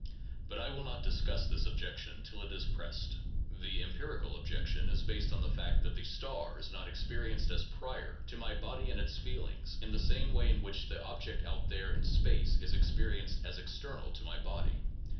But I will not discuss this objection, till it is pressed. The empirical objection is based on the fact that the star is not experi enced as prior to my body and its feelings in the same way in which the object out there in space is experienced as external to my body.